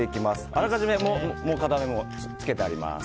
あらかじめもう片面もつけてあります。